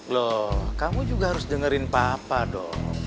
loh kamu juga harus dengerin papa dong